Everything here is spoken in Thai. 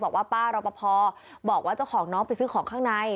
บอกว่าป้ารอปภบอกว่าเจ้าของน้องไปซื้อของข้างใน